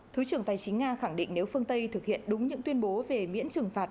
thứ trưởng tài chính nga khẳng định nếu phương tây thực hiện đúng những tuyên bố về miễn trừng phạt